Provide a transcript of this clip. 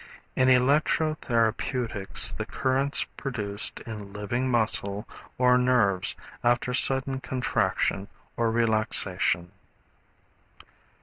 In electro therapeutics, the currents produced in living muscle or nerves after sudden contraction or relaxation.